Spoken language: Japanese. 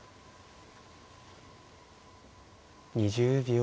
２０秒。